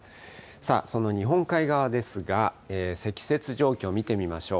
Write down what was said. さあ、そんな日本海側ですが、積雪状況見てみましょう。